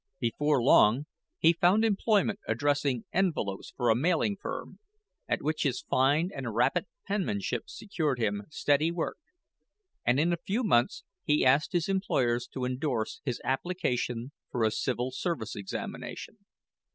Before long he found employment addressing envelopes for a mailing firm, at which his fine and rapid penmanship secured him steady work; and in a few months he asked his employers to indorse his application for a Civil Service examination.